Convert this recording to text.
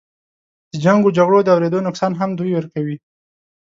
د جنګ و جګړو د اودرېدو نقصان هم دوی ورکوي.